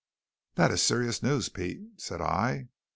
"That is serious news, Pete," said I.